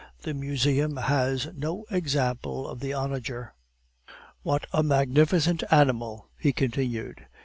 The Museum has no example of the onager. "What a magnificent animal!" he continued.